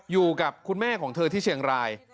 อยู่กับคุณแม่ของเธอที่เชียงราย